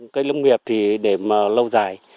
cây lông nghiệp thì để mà lâu dài